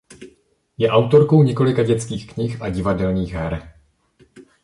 Je autorkou několika dětských knih a divadelních her.